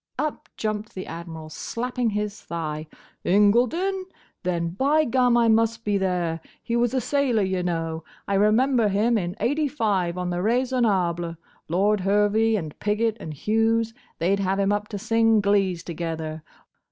Up jumped the Admiral, slapping his thigh. "Incledon! Then, by gum, I must be there! He was a sailor, y' know. I remember him in '85, on the Raisonable. Lord Hervey, and Pigot and Hughes—they 'd have him up to sing glees together!